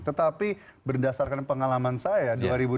tetapi berdasarkan pengalaman saya dua ribu delapan belas